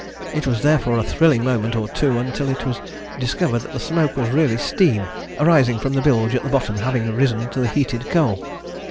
It was therefore a thrilling moment or two until it was discovered that the smoke was really steam, arising from the bilge at the bottom having risen to the heated coal."